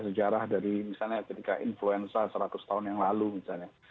sejarah dari misalnya ketika influenza seratus tahun yang lalu misalnya